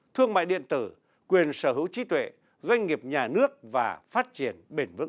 thương mại điện tử quyền sở hữu trí tuệ doanh nghiệp nhà nước và phát triển bền vững